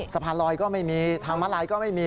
สะพานลอยก็ไม่มีทางมาลายก็ไม่มี